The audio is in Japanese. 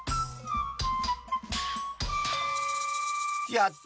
やった！